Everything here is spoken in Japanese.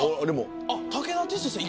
武田鉄矢さん